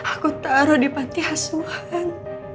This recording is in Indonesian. aku taruh di panti hasuhan